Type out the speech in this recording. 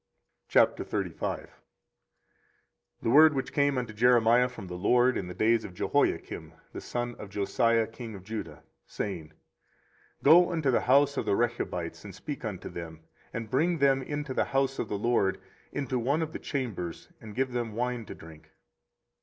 24:035:001 The word which came unto Jeremiah from the LORD in the days of Jehoiakim the son of Josiah king of Judah, saying, 24:035:002 Go unto the house of the Rechabites, and speak unto them, and bring them into the house of the LORD, into one of the chambers, and give them wine to drink.